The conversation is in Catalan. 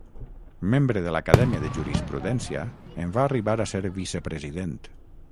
Membre de l'Acadèmia de Jurisprudència, en va arribar a ser vicepresident.